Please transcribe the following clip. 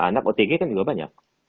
anak otg kan juga banyak